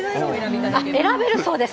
選べるそうです。